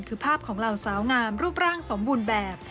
คือภาพของเหล่าสาวงามรูปร่างสมบูรณ์แบบ